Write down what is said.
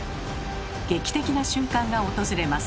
劇的な瞬間が訪れます。